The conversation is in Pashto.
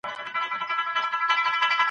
که خلګ قانون مراعت کړي، نظم ساتل کېږي.